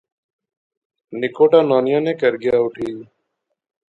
نکوٹا نانیاں نے کہر گیا اُٹھی